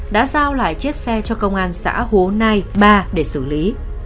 đã giao lại chiếc xe cho công an xã hố nai ba để xử lý